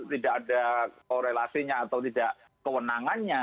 tidak ada korelasinya atau tidak kewenangannya